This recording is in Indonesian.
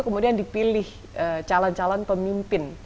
kemudian dipilih calon calon pemimpin